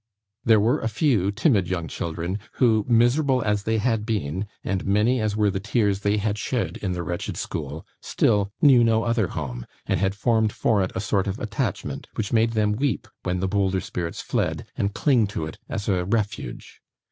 There were a few timid young children, who, miserable as they had been, and many as were the tears they had shed in the wretched school, still knew no other home, and had formed for it a sort of attachment, which made them weep when the bolder spirits fled, and cling to it as a refuge.